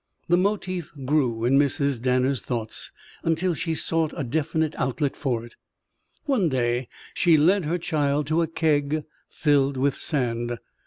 The motif grew in Mrs. Danner's thoughts until she sought a definite outlet for it. One day she led her child to a keg filled with sand.